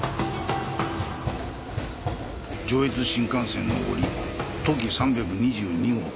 上越新幹線上り「とき３２２号」